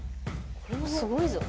これはすごいぞ。